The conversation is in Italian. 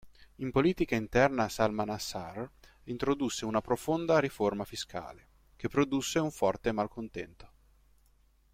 In politica interna Salmanassar introdusse una profonda riforma fiscale, che produsse un forte malcontento.